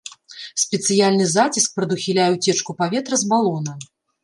Спецыяльны заціск прадухіляе уцечку паветра з балона.